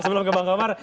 sebelum ke bang omar